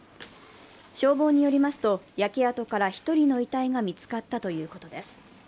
消防によりますと、焼け跡から１人の遺体が見つかったということです。